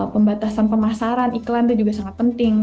pembatasan pemasaran iklan itu juga sangat penting